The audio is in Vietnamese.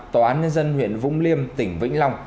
tòa án nhân dân huyện vũng liêm tỉnh vĩnh long